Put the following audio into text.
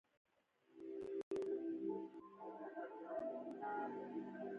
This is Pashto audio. تر خبرو مخکې باید د خبرو په موضوع پوه واوسئ